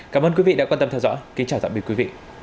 cảm ơn quý vị đã quan tâm theo dõi